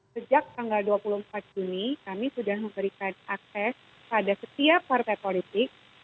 sejak tanggal dua puluh empat juni kami sudah memberikan akses pada setiap partai politik